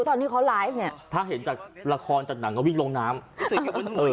ตอนที่เขาไลฟ์เนี่ยถ้าเห็นจากละครจากหนังก็วิ่งลงน้ำเออ